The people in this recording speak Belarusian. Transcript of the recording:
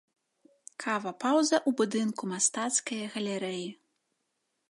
Кава-пауза ў будынку мастацкае галерэі.